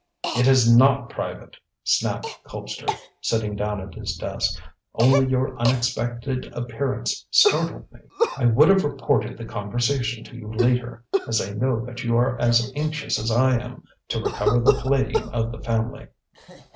"It's not private," snapped Colpster, sitting down at his desk; "only your unexpected appearance startled me. I would have reported the conversation to you later, as I know that you are as anxious as I am to recover the palladium of the family."